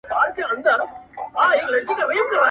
د هــــــــــــجر شپې دې تېـــروم پۀ غړولو سترګو